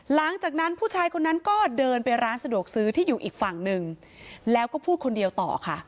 หลังจากนั้นผู้ชายคนนั้นก็เดินไปร้านสะดวกซื้อที่อยู่อีกฝั่งหนึ่งแล้วก็พูดคนเดียวต่อค่ะ